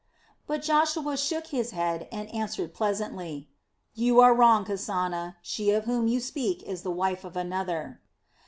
But Joshua shook his head and answered pleasantly: "You are wrong, Kasana! She of whom you speak is the wife of another."